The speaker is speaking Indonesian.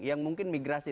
yang mungkin migrasi